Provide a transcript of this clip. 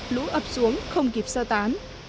lũ ập xuống không kịp sơ tán